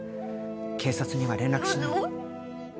警察には連絡しない